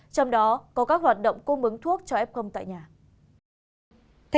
trong đó có các hoạt động cung ứng thuốc cho f tại nhà